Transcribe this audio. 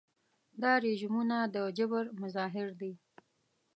دا رژیمونه د جبر مظاهر دي.